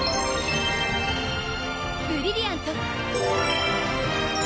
ブリリアント！